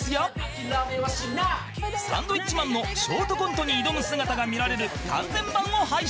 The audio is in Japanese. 「諦めはしない」サンドウィッチマンのショートコントに挑む姿が見られる完全版を配信